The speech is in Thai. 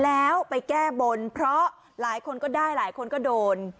แล้วไปแก้บนเพราะหลายคนก็ได้หลายคนก็โดน